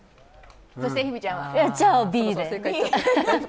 じゃ、Ｂで。